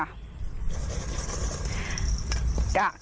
เมนูปูฟีเว่อร์เนาะจ๊ะ